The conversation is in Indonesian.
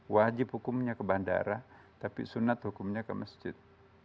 wajib hukumnya ke bandara tapi sunat hukumnya ke masjid